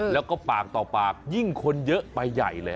แล้วก็ปากต่อปากยิ่งคนเยอะไปใหญ่เลย